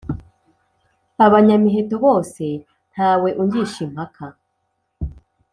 abanyamiheto bose ntawe ungisha impaka